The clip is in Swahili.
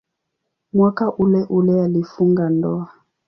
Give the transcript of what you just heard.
Mwaka uleule alifunga ndoa.